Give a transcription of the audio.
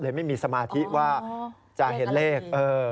ไม่มีสมาธิว่าจะเห็นเลข